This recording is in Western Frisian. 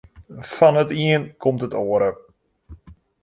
Fan it iene komt it oare.